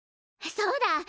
そうだ！